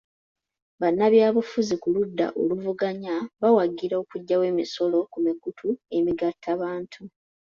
Bannabyabufuzi ku ludda oluvuganya bawagira okuggyawo omusolo ku mikutu emigattabantu.